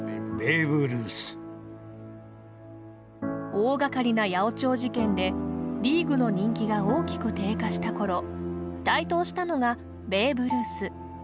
大がかりな八百長事件でリーグの人気が大きく低下したころ台頭したのがベーブ・ルース。